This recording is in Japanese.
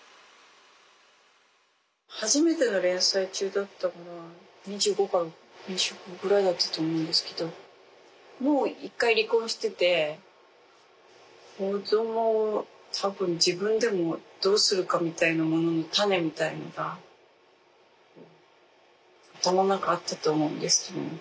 初めての連載中だったのが２５か２６ぐらいだったと思うんですけどもう１回離婚してて子供を多分自分でもどうするかみたいなものの種みたいなのが頭の中あったと思うんですよね。